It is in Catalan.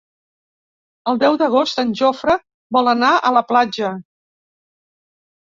El deu d'agost en Jofre vol anar a la platja.